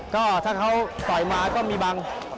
ก็ถ้าเขาต่อยมาก็มีบัง